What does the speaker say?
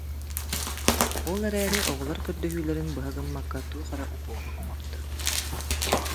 Ол эрээри оҕолор көрдөһүүлэрин быһа гыммакка, туох эрэ укуолу оҥордо